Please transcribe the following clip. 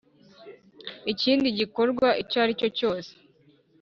ikindi gikorwa icyo aricyo cyose